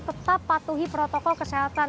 tetap patuhi protokol kesehatan